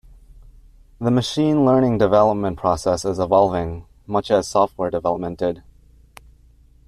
The machine learning development process is evolving much as software development did.